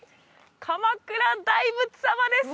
鎌倉大仏様です